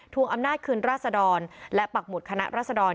วงอำนาจคืนราษดรและปักหมุดคณะรัศดร